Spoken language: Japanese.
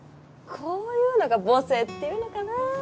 こういうのが母性っていうのかな